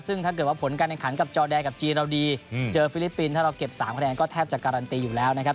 ซึ่งถ้าเกิดว่าผลการแข่งขันกับจอแดนกับจีนเราดีเจอฟิลิปปินส์ถ้าเราเก็บ๓คะแนนก็แทบจะการันตีอยู่แล้วนะครับ